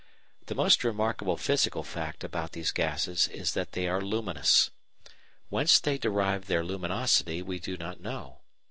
The most remarkable physical fact about these gases is that they are luminous. Whence they derive their luminosity we do not know.